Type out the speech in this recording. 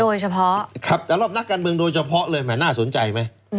โดยเฉพาะสำหรับนักการเมืองโดยเฉพาะเลยน่าสนใจไหม